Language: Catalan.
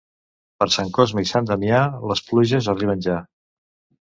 Per Sant Cosme i Sant Damià, les pluges arriben ja.